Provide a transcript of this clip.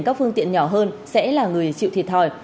các phương tiện nhỏ hơn sẽ là người chịu thiệt thòi